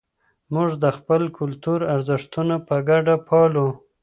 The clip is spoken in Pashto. موږ د خپل کلتور ارزښتونه په ګډه پالو.